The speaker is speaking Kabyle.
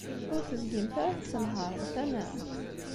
Ur tezgimt ara tettenhaṛemt, anaɣ?